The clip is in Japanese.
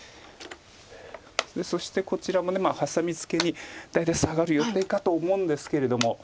そしてこちらもハサミツケに大体サガる予定かと思うんですけれども。